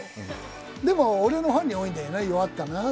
でも、俺のファンに多いんだよな。